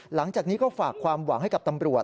หลังจากนี้ก็ฝากความหวังให้กับตำรวจ